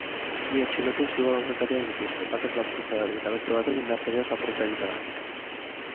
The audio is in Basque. Bi atxilotuk zigor-aurrekariak dituzte, batek lapurtzeagatik eta beste batek indarkeriaz lapurreta egiteagatik.